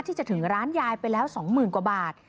ถึงร้านยายไปแล้ว๒๐๐๐กว่าบาท